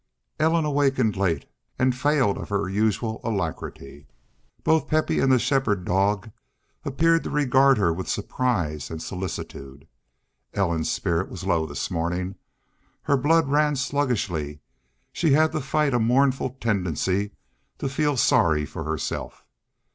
Ellen awakened late and failed of her usual alacrity. Both Pepe and the shepherd dog appeared to regard her with surprise and solicitude. Ellen's spirit was low this morning; her blood ran sluggishly; she had to fight a mournful tendency to feel sorry for herself.